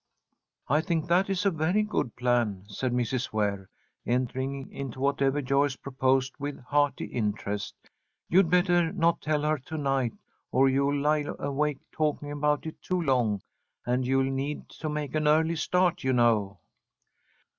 "I think that is a very good plan," said Mrs. Ware, entering into whatever Joyce proposed with hearty interest. "You'd better not tell her to night, or you'll lie awake talking about it too long, and you'll need to make an early start, you know."